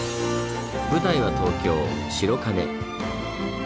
舞台は東京・白金。